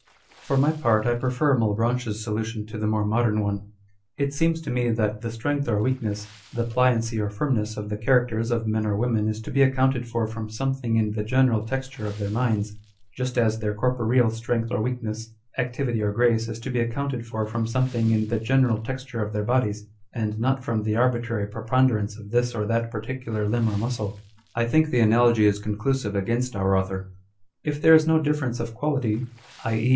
1 For my part, I prefer Malebranchc's solution to the more modern one. It seems to me that the strength or weakness, the pliancy or firmness of the characters of men or women is to be accounted for from something in the general texture of their minds, just as their corporeal strength or weakness, activity or grace is to be accounted for from something in the general texture of their bodies, and not from the arbitrary preponderance of this or that particular limb or muscle. I think the analogy is con clusive against our author. If there is no difference of quality ; i. e.